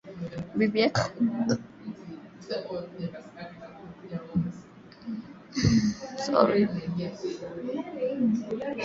Bibiyake anazala mtoto mwanaume